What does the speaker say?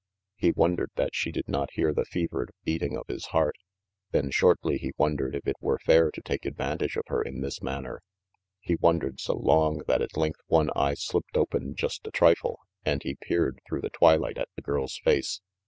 He wondered that she did not hear the fevered beating of his heart. Then shortly he wondered if it were fair to take advantage of her in this manner. He wondered so long that at length one eye slipped open just a trifle and he peered through the twilight at the girl's face.